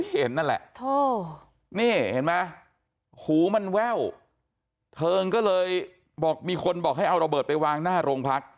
เห็นนั่นแหละนี่เห็นไหมหูมันแว่วเธอก็เลยบอกมีคนบอกให้เอาระเบิดไปวางหน้าโรงพัก